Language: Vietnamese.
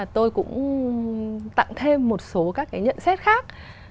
tôi cũng tặng thêm một số các cái nhận xét khác